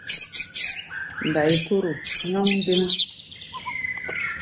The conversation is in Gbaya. Ndai-kóro nyɔ́ŋ déná.